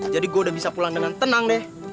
jadi gue udah bisa pulang dengan tenang deh